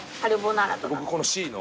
僕このＣの。